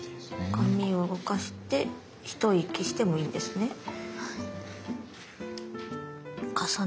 紙を動かして一息してもいいんですね。